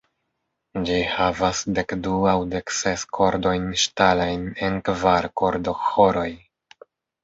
Ĝi havas dekdu aŭ dekses kordojn ŝtalajn en kvar kordoĥoroj.